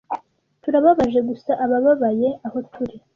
turababaje gusa abababaye aho turi